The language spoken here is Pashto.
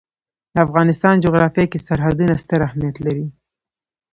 د افغانستان جغرافیه کې سرحدونه ستر اهمیت لري.